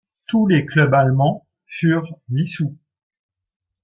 Tous les clubs allemands furent dissous.